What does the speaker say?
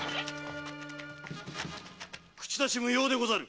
口出し無用でござる。